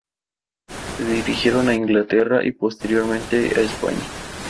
Se dirigieron a Inglaterra y, posteriormente, a España.